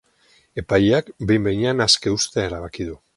Epaileak behin-behinean aske uztea erabaki du.